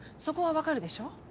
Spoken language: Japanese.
そこはわかるでしょう？